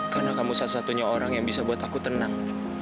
karena kamu satu satunya orang yang bisa buat aku tenang